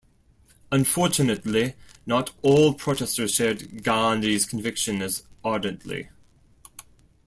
Unfortunately, not all protesters shared Gandhi's conviction as ardently.